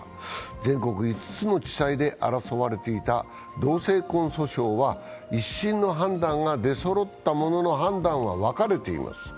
全国５つの地裁で争われていた同性婚訴訟は１審の判断が出そろったものの判断は分かれています。